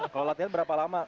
kalau latihan berapa lama